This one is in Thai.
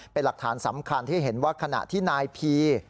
เป็นหลักฐานสำคัญให้เห็นว่าขณะที่นายพี